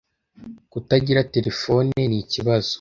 Kutagira terefone ni ikibazo.